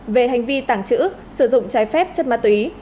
về hành vi tàng trữ sử dụng trái phép chất ma túy